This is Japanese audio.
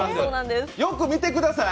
よく見てください。